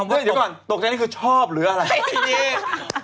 เดี๋ยวก่อนตกใจนี่คือชอบหรืออะไรที่นี่